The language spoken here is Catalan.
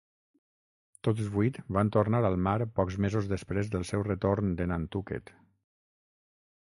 Tots vuit van tornar al mar pocs mesos després del seu retorn de Nantucket.